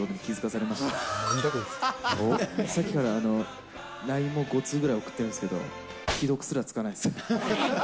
さっきからＬＩＮＥも５通ぐらい送ってるんですけど、既読すらつかないです。